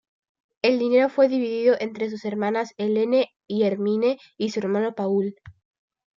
El dinero fue dividido entre sus hermanas Helene y Hermine y su hermano Paul.